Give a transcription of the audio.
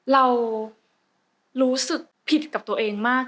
เรารู้สึกผิดกับตัวเองมาก